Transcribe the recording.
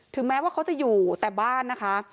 แม้ว่าเขาจะอยู่แต่บ้านนะคะ